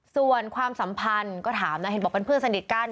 ส่วนความสัมพันธ์ก็ถามนะเห็นบอกเป็นเพื่อนสนิทกัน